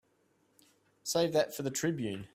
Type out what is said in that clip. Save that for the Tribune.